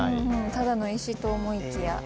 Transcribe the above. ただの石と思いきや。